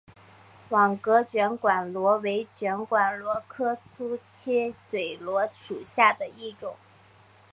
网格卷管螺为卷管螺科粗切嘴螺属下的一个种。